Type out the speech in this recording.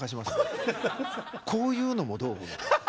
「こういうのもどう？